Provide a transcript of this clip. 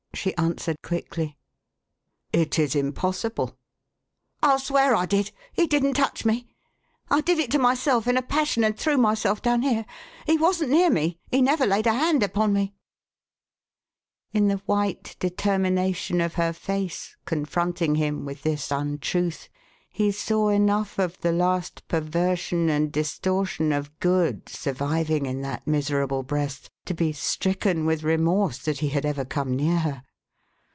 she answered quickly. " It is impossible." "Til swear I did! He didn't touch me. I did it to myself in a passion, and threw myself down here. He wasn't near me. He never laid a hand upon me !" In the white determination of her face, confronting him with this untruth, he saw enough of the last perversion and distortion of good surviving in that miserable breast, to be stricken with remorse that he had ever come near her.